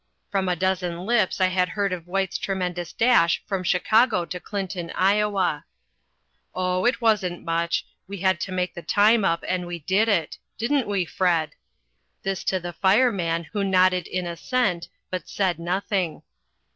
From a dozen lips I had heard of White's tremendous dash from Chicago to Clinton, Iowa. "Oh, it wasn't much; we had to make the time up, and we did it. Didn't we, Fred?" This to the fireman, who nodded in assent, but said nothing.